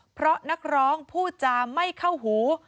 เพราะนักร้องพูดจาไม่เข้าหู